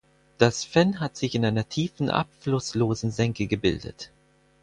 Das Fenn hat sich in einer tiefen, abflusslosen Senke gebildet.